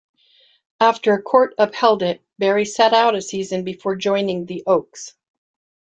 After a court upheld it, Barry sat out a season before joining the Oaks.